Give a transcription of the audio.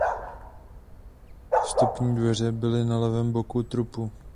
Vstupní dveře byly na levém boku trupu.